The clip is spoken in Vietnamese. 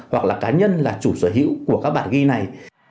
hoặc là cá nhân là chủ sở hữu của các bản ghi này